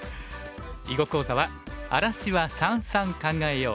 囲碁講座は「荒らしは三々考えよう」。